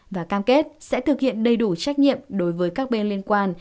và cam kết sẽ thực hiện đầy đủ trách nhiệm đối với các bên liên quan